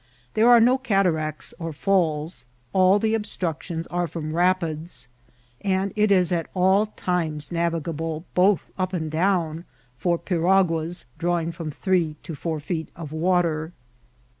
There are no cataracts or falls ; all the obstructions are from rapids, and it is at all times navigable, both up and down, for piraguas draw ing from three to four feet of water.